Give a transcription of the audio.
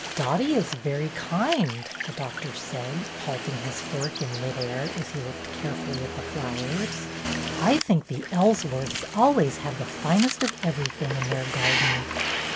"Dottie is very kind," the Doctor said, halting his fork in mid air as he looked care fully at the flowers. "I think the Ellsworths always have the finest of everything in their garden."